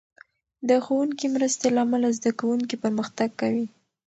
د ښوونکې مرستې له امله، زده کوونکي پرمختګ کوي.